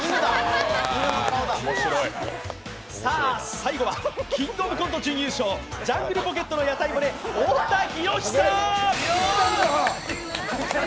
最後は「キングオブコント」準優勝ジャングルポケットの屋台骨・太田博久！